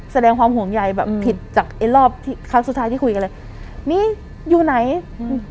แสดงความห่วงใยแบบผิดจากไอ้รอบที่ครั้งสุดท้ายที่คุยกันเลยมีอยู่ไหนอืม